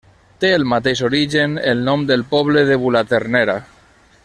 Té el mateix origen el nom del poble de Bulaternera.